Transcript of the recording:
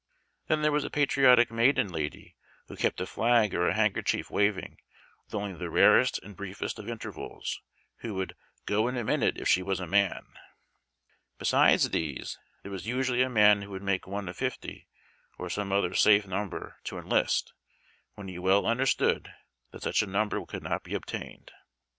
Then there was a patriotic maiden lady who kept a flag or a handkerchief waving with only the rarest and briefest of intervals, who " would go in a min ute if she was a man." Besides these there was usually a man who would make one of fifty (or some other safe num ber) to enlist, when he well understood that such a number could not be obtained.